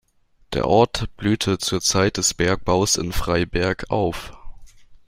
Der Ort blühte zur Zeit des Bergbaus in Freiberg auf.